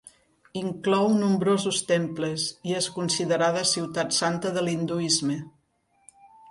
Inclou nombrosos temples i és considerada ciutat santa de l'hinduisme.